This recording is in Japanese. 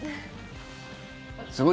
すごい。